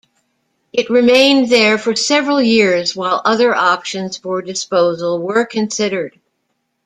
It remained there for several years while other options for disposal were considered.